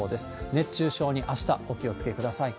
熱中症にあしたお気をつけください。